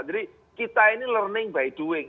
jadi kita ini learning by doing